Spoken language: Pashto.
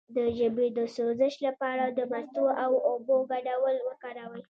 د ژبې د سوزش لپاره د مستو او اوبو ګډول وکاروئ